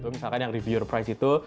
misalkan yang reviewer prize itu